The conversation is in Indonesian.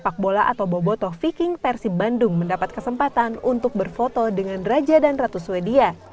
sepak bola atau bobotoh viking persib bandung mendapat kesempatan untuk berfoto dengan raja dan ratu swedia